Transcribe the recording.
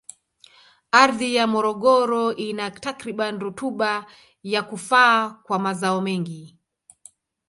Ardhi ya Morogoro ina takribani rutuba ya kufaa kwa mazao mengi.